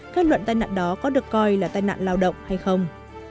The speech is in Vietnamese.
các luận tai nạn đó có được coi là tai nạn lao động hay không